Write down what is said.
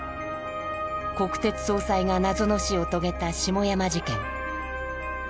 国鉄総裁が謎の死を遂げた下山事件。